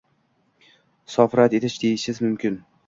“sof” rad etish deyishimiz mumkin